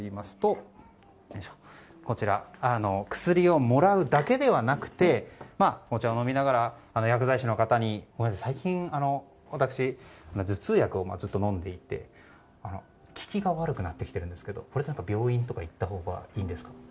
例えば薬をもらうだけではなくてお茶を飲みながら薬剤師の方に最近、私頭痛薬をずっと飲んでいて効きが悪くなってきているんですけどこれだと病院とか行ったほうがいいんですか？